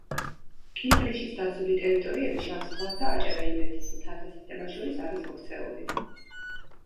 კინტრიშის დაცული ტერიტორიები შავ ზღვას და აჭარა-იმერეთის მთათა სისტემას შორის არის მოქცეული.